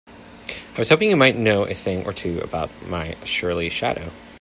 I was hoping you might know a thing or two about my surly shadow?